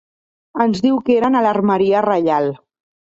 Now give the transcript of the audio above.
Ens diu que eren a l'Armeria Reial.